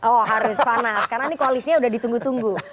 oh harus panas karena ini koalisnya sudah ditunggu tunggu